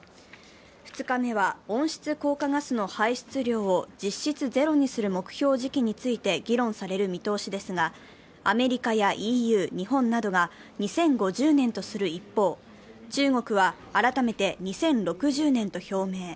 ２日目は温室効果ガスの排出量を実質ゼロにする目標時期について議論される見通しですが、アメリカやＥＵ日本などが２０５０年とする一方中国は改めて２０６０年と表明。